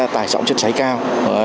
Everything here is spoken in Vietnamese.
tài trọng chất cháy cao